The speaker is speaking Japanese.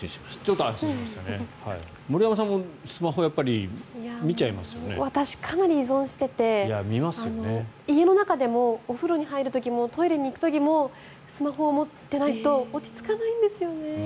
森山さんもスマホ私、かなり依存してて家の中でもお風呂に入る時もトイレに行く時もスマホを持ってないと落ち着かないんですよね。